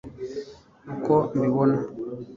uko mbibona